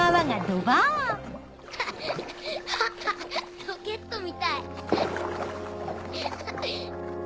ロケットみたい！